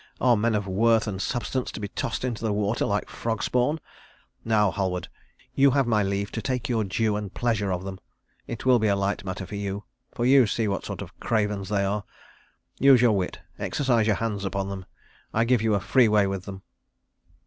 Are men of worth and substance to be tossed into the water like frog spawn? Now, Halward, you have my leave to take your due and pleasure of them. It will be a light matter for you, for you see what sort of cravens they are. Use your wit, exercise your hands upon them; I give you a free way with them."